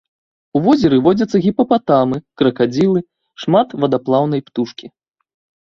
У возеры водзяцца гіпапатамы, кракадзілы, шмат вадаплаўнай птушкі.